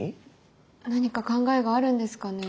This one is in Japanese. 何か考えがあるんですかね。